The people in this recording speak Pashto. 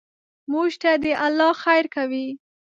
موږ ته دې الله خیر کوي.